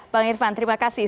bang irvan terima kasih